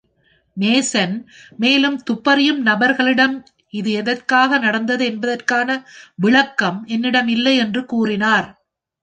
Mason மேலும் துப்பறியும் நபர்களிடம் இது எதற்காக நடந்தது என்பதற்கான விளக்கம் என்னிடம் இல்லை என்றும் கூறினார்.